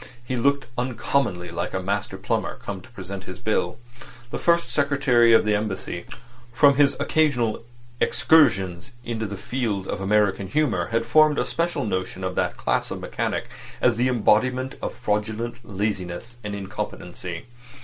He looked uncommonly like a master plumber come to present his bill. The First Secretary of the Embassy, from his occasional excursions into the field of American humour, had formed a special notion of that class of mechanic as the embodiment of fraudulent laziness and incompetency.